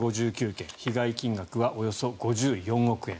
被害金額はおよそ５４億円。